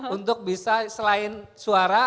untuk bisa selain suara